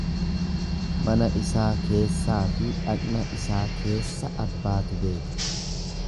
Mana isaa keessaafi dhaqna isaa keessa abbaatu beeka.